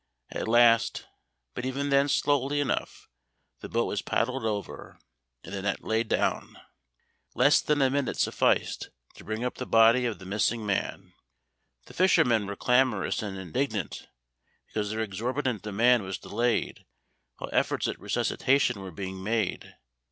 At last, but even then slowly enough, the boat was paddled over, and the net let down. Less than a minute sufficed to bring up the body of the missing man. The fishermen were clamorous and indignant because their exorbitant demand was delayed while efforts at resuscitation were being made.